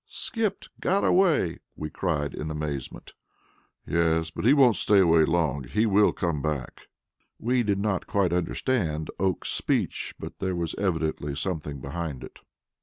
"Skipped! Got away!" we cried in amazement. "Yes, but he won't stay away long; he will come back." We did not quite understand Oakes's speech, but there evidently was something behind it.